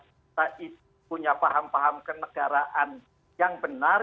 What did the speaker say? kita itu punya paham paham kenegaraan yang benar